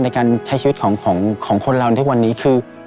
ในการใช้ชีวิตของคนเราในวันนี้คือ